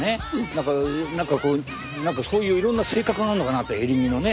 何か何かこうそういういろんな性格があるのかなってエリンギのね。